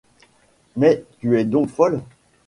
Mais tu es donc folle ?